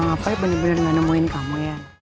bang apai bener bener gak nemuin kamu ya